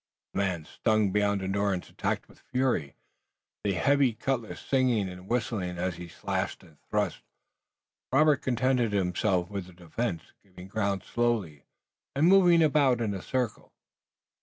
The man, stung beyond endurance, attacked with fury, the heavy cutlass singing and whistling as he slashed and thrust. Robert contented himself with the defense, giving ground slowly and moving about in a circle.